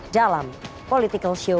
dalam political show